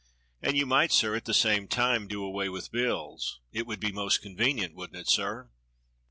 "And you might, sir, at the same time do away with bills. It would be most convenient, wouldn't it, sir.